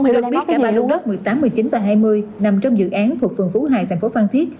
được biết cả ba lô đất một mươi tám một mươi chín và hai mươi nằm trong dự án thuộc phường phú hải thành phố phan thiết